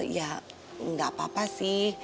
ya nggak apa apa sih